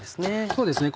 そうですね。